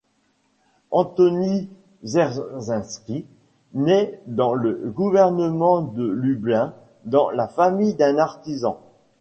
Antoni Czerwiński naît dans le gouvernement de Lublin dans la famille d'un artisan.